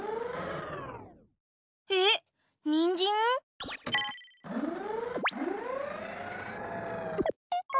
えっにんじん？ピポ。